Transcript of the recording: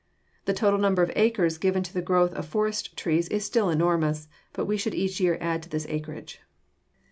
The total number of acres given to the growth of forest trees is still enormous, but we should each year add to this acreage.